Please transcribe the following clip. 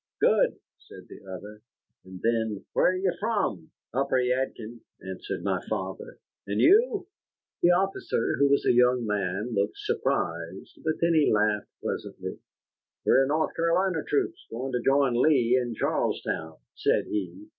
"Good," said the other. And then, "Where are you from?" "Upper Yadkin," answered my father. "And you?" The officer, who was a young man, looked surprised. But then he laughed pleasantly. "We're North Carolina troops, going to join Lee in Charlestown," said he.